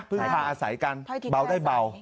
เพิ่งพาอาศัยก็เบาได้เบา